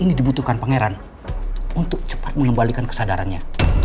ini dibutuhkan pangeran untuk cepat mengembalikan kesadarannya